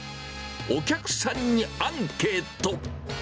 お客さんにアンケート。